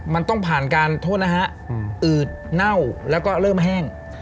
มันต้องผ่านการโทษนะฮะอืดเน่าแล้วก็เริ่มแห้ง